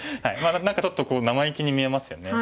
何かちょっと生意気に見えますよね。